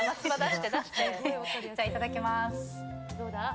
じゃあ、いただきます。